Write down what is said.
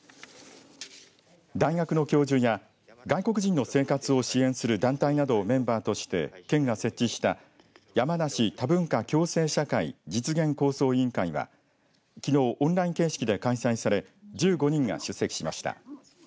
大学の教授や外国人の生活を支援する団体などをメンバーとして県が設置したやまなし多文化共生社会実現構想委員会はきのうオンライン形式で開催され１５人が出席しました。